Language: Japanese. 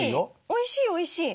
おいしいおいしい！